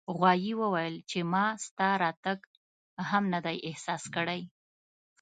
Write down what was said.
غوایي وویل چې ما ستا راتګ هم نه دی احساس کړی.